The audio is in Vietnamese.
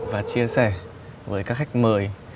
và chia sẻ với các khách mời